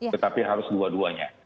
tetapi harus dua duanya